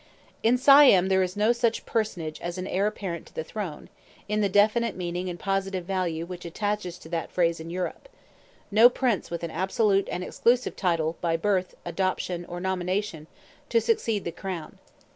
In Siam there is no such personage as an heir apparent to the throne, in the definite meaning and positive value which attaches to that phrase in Europe, no prince with an absolute and exclusive title, by birth, adoption, or nomination, to succeed to the crown.